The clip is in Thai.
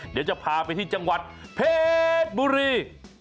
เดี๋ยวจะพาไปที่จังหวัดเพชรบุรี